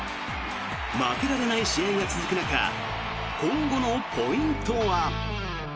負けられない試合が続く中今後のポイントは？